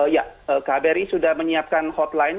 ya kbri sudah menyiapkan hotline